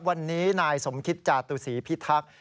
วันนี้นายสมคิตจาตุศีพิทักษ์